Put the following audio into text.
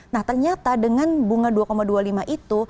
nah ternyata dengan bunga dua dua puluh lima itu